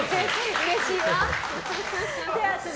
うれしいわ。